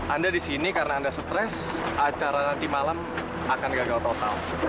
anda di sini karena anda stres acara nanti malam akan gagal total